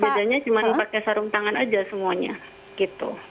bedanya cuma pakai sarung tangan aja semuanya gitu